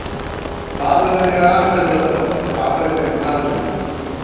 بابَنہ نېڑاں فېدوت بہ ،کھاوَہ اِپېک مال ژَمېت